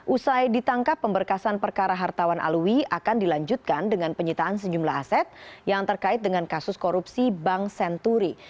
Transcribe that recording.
usai ditangkap pemberkasan perkara hartawan alwi akan dilanjutkan dengan penyitaan sejumlah aset yang terkait dengan kasus korupsi bank senturi